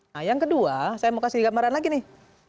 nah yang kedua saya mau kasih gambaran lagi nih